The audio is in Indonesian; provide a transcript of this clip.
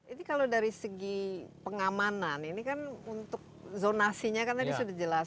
ini kalau dari segi pengamanan ini kan untuk zonasinya kan tadi sudah jelas